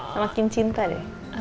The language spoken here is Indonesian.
semakin cinta deh